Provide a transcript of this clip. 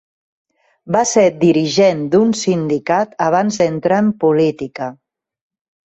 Va ser dirigent d'un sindicat abans d'entrar en política.